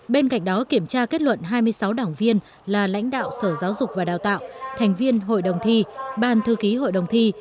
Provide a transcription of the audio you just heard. bên cạnh đó kiểm tra kết luận hai mươi sáu đảng viên là lãnh đạo sở giáo dục và đào tạo thành viên hội đồng thi ban thư ký hội đồng thi